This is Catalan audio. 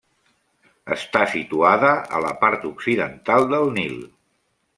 Està situada a la part occidental del Nil.